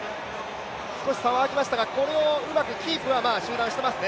少し差はあきましたが、これをうまくキープはしていますね。